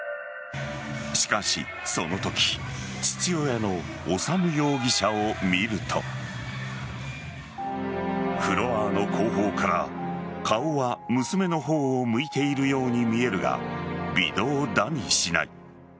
しかし、そのとき父親の修容疑者を見るとフロアの後方から顔は娘の方を向いているように見えるが微動だにしない。